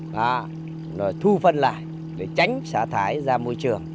rồi thu phân lại để tránh xả thái ra môi trường